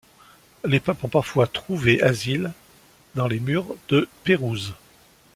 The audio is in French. Les papes ont parfois trouvé asile dans les murs de Pérouse.